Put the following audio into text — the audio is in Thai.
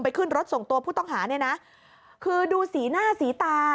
ขึ้นรถส่งตัวผู้ต้องหาเนี่ยนะคือดูสีหน้าสีตา